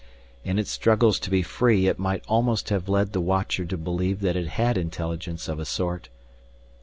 In its struggles to be free, it might almost have led the watcher to believe that it had intelligence of a sort.